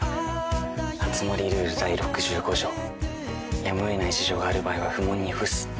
熱護ルール第６５条やむを得ない事情がある場合は不問に伏す。